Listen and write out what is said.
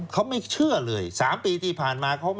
เขาไม่เชื่อเลย๓ปีที่ผ่านมา